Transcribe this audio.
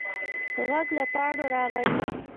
غږ له پاڼو راغی.